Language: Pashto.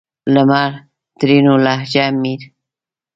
لمر؛ ترينو لهجه مير